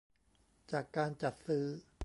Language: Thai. จากการจัดซื้อ